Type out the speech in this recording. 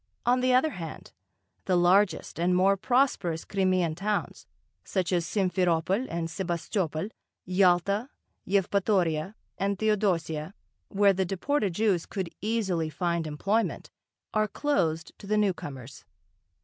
On the other hand, the largest and more prosperous Crimean towns, such as Simferopol and Sebastopol, Yalta, Yevpatoria, and Theodosia, where the deported Jews could easily find employment, are closed to the newcomers.